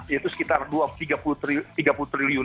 yaitu sekitar rp tiga puluh